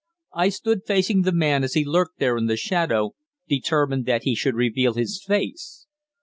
I stood facing the man as he lurked there in the shadow, determined that he should reveal his face.